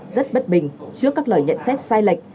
rất bất bình trước các lời nhận xét sai lệch